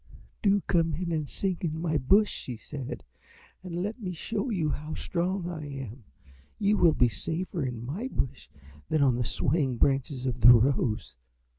"'Do come and sing in my bush,' she said, 'and let me show you how strong I am. You will be safer in my bush than on the swaying branches of the Rose.'